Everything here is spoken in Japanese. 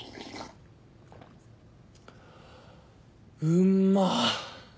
うんまっ。